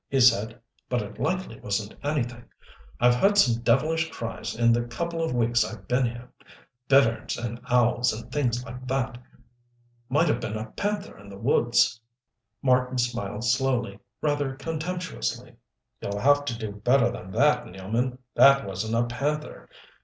he said. "But it likely wasn't anything. I've heard some devilish cries in the couple of weeks I've been here bitterns and owls and things like that. Might have been a panther in the woods." Marten smiled slowly, rather contemptuously. "You'll have to do better than that, Nealman. That wasn't a panther.